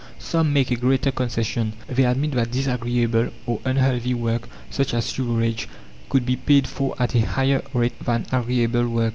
Some make a greater concession; they admit that disagreeable or unhealthy work such as sewerage could be paid for at a higher rate than agreeable work.